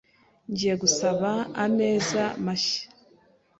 Ngiye gusaba ameza mashya .